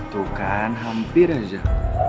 tuh kan hampir aja